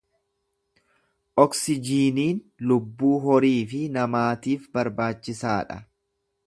Oksijiiniin lubbuu horii fi namaatiif barbaachisaa dha.